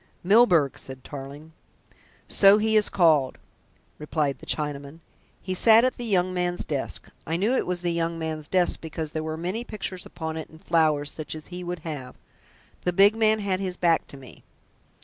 "Milburgh!" said Tarling. "So he is called," replied the Chinaman. "He sat at the young man's desk. I knew it was the young man's desk, because there were many pictures upon it and flowers, such as he would have. The big man had his back to me."